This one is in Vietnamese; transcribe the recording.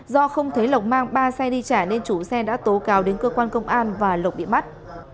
do không thấy lộc mang ba xe đi trả nên chủ xe đã tố cáo đến cơ quan công an và lộc bị bắt